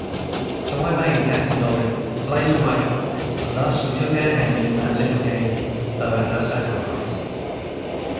So I bade Captain Dolly blaze away, and thus we took our hand in the little game, though at a sacrifice.